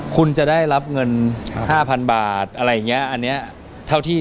คุณจะได้รับเงิน๕๐๐๐บาทอะไรอย่างนี้